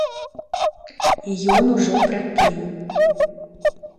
І ён ужо прапіў!